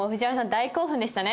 大興奮でしたね？